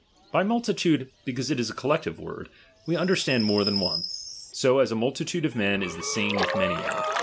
By multitude, because it is a collective word, we understand more than one : so as a multitude of men is the same with many men.